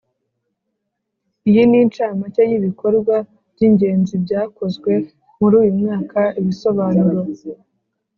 Iyi ni incamake y ibikorwa by ingenzi byakozwe muri uyu mwaka Ibisobanuro